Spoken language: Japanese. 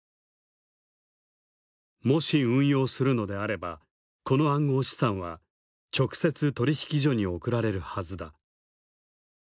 もし運用するのであればこの暗号資産は直接取引所に送られるはずだ。